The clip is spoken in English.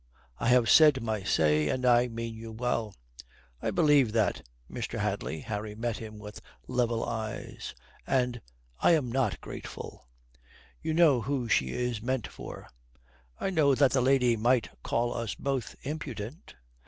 I have said my say, and I mean you well." "I believe that, Mr. Hadley" Harry met him with level eyes "and I am not grateful." "You know who she is meant for." "I know that the lady might call us both impudent."